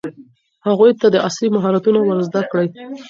هغوی ته عصري مهارتونه ور زده کړئ.